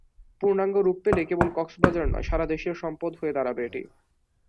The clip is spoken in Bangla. পুর্ণাঙ্গ রূপ পেলে কেবল কক্সবাজার নয়, সারা দেশের সম্পদ হয়ে দাঁড়াবে এটি।